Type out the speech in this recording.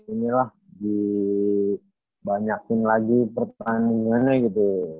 inilah dibanyakin lagi pertandingannya gitu